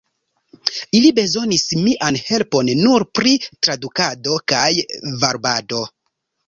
Ili bezonis mian helpon nur pri tradukado kaj varbado.